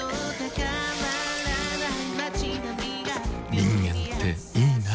人間っていいナ。